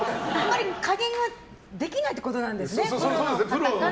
加減ができないってことなんですね。